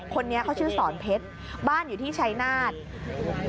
คนนี้เขาชื่อสอนเพชรบ้านอยู่ที่ชายนาฏ